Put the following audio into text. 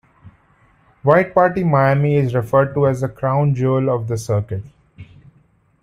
White Party Miami is referred to as the Crown Jewel of the Circuit.